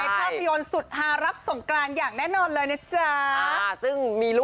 ภาพยนต์สุดห้ารับหลามกลางอย่างแน่นอนเลยนะจ้าสิซึ่งมีลูก